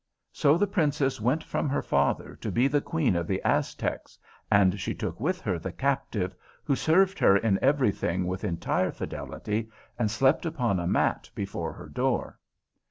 So the Princess went from her father to be the Queen of the Aztecs, and she took with her the Captive, who served her in everything with entire fidelity and slept upon a mat before her door.